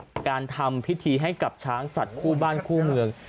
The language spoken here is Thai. เป็นการทำพิธีให้กับช้างสัตว์คู่บ้านคู่เมือง